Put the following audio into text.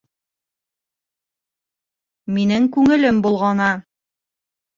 Минең күңелем болғана